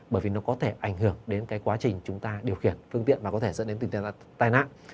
bởi vì nó có thể ảnh hưởng đến cái quá trình chúng ta điều khiển phương tiện và có thể dẫn đến tình trạng tai nạn